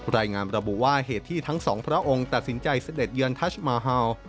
รายงานระบุว่าเหตุที่ทั้งสองพระองค์ตัดสินใจเสด็จเยือนทัชมาฮาว